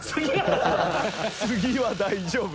「次は大丈夫」。